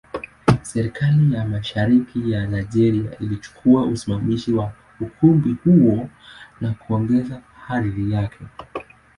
Serikali ya Mashariki ya Nigeria ilichukua usimamizi wa ukumbi huo na kuongeza hadhi yake.